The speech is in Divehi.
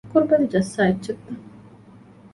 ހަކުރުބަލި ޖައްސާ އެއްޗެއްތަ؟